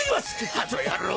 あの野郎！